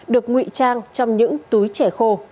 được ngụy trang trong những túi trẻ khô